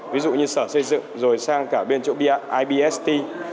ví dụ như sở xây dựng rồi sang cả bên chủ ibsd